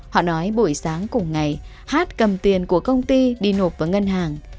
họ nói buổi sáng cùng ngày hát cầm tiền của công ty đi nộp vào ngân hàng